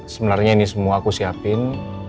sebenarnya ini semua aku siapin